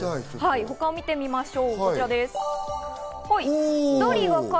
他を見てみましょう。